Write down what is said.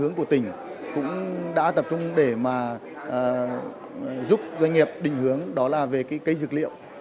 giúp doanh nghiệp định hướng đó là về cái cây dược liệu